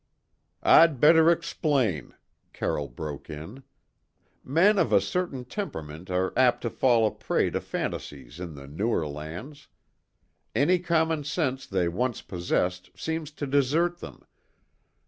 "I'd better explain," Carroll broke in. "Men of a certain temperament are apt to fall a prey to fantasies in the newer lands; any common sense they once possessed seems to desert them.